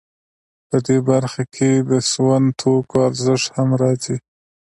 په دې برخه کې د سون توکو ارزښت هم راځي